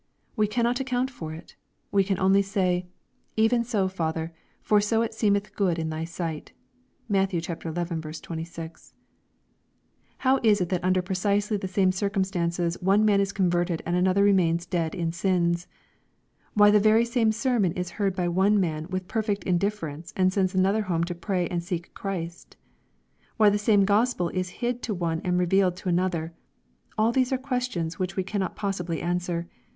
We cannot account for it. We can only say, " Even so, Father, for so it seemeth good in thy sight." (Matt. xi. 26.) How it is that under precisely the same circumstances one man is converted and another remains dead in sins, — why the very same sermon is heard by one man with perfect indifference and sends another home to pray and seek Christ, — why the same Gospel is hid to one and revealed to another, all these are questions which we can not possibly answer.